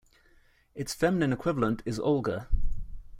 Its feminine equivalent is Olga.